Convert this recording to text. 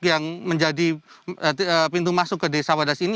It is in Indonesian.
yang menjadi pintu masuk ke desa wadas ini